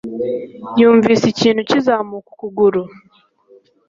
Yumvise ikintu kizamuka ukuguru.